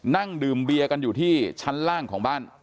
นั่งดื่มเบียร์กันอยู่ที่ชั้นล่างของบ้าน